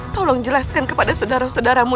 tolong jelaskan kepada saudara saudaramu